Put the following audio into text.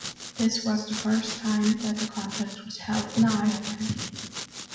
This was the first time that the contest was held in Ireland.